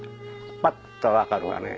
パッと分かるわね